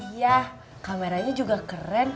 iya kameranya juga keren